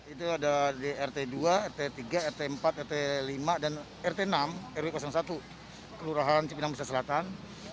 itu ada di rt dua rt tiga rt empat rt lima dan rt enam rw satu kelurahan cipinang besar selatan